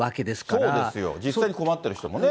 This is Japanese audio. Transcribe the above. そうですよ、実際に困ってる人がね。